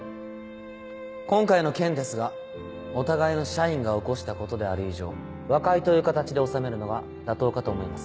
今回の件ですがお互いの社員が起こしたことである以上和解という形で収めるのが妥当かと思います。